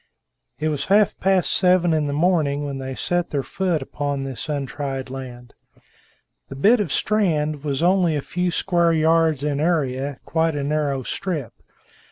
It was half past seven in the morning, when they set their foot upon this untried land. The bit of strand was only a few square yards in area, quite a narrow strip.